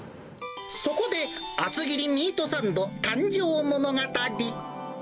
そこで、厚切りミートサンド誕生物語。